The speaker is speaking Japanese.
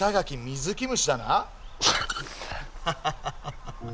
ハハハハ。